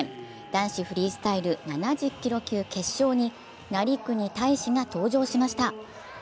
男子フリースタイル７０ｋｇ級決勝に成國大志が登場しました。